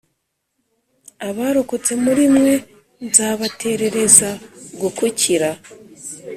Abarokotse muri mwe nzabaterereza gukukira